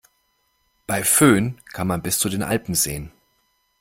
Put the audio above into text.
Bei Föhn kann man bis zu den Alpen sehen.